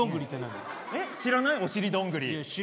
知らないよお尻どんぐり。